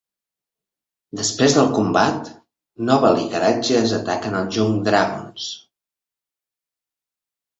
Després del combat, Knoble i Karagias ataquen els Jung Dragons.